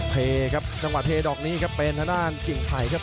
เผยครับจังหวะเผยดอกนี้ครับเป็นธนาฬิกิ่งไผ่ครับ